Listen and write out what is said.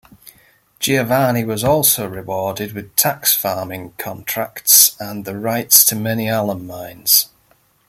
Giovanni was also rewarded with tax-farming contracts and the rights to many alum mines.